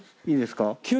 いいですか。